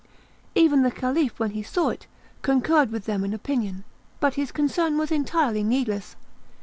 Even the Caliph, when he saw it, concurred with them in opinion, but his concern was entirely needless.